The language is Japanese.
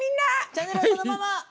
チャンネルはそのまま！